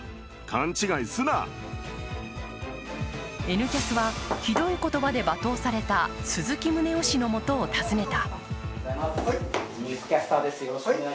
「Ｎキャス」はひどい言葉で罵倒された鈴木宗男氏のもとを訪ねた。